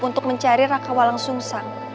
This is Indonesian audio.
untuk mencari raka walang sungsang